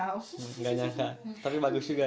nggak nyangka tapi bagus juga ya